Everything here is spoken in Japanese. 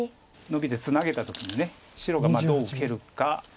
ノビでツナげた時に白がどう受けるか。